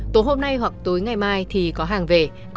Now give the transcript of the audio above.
tối hôm nay hoặc tối ngày mai thì có hàng về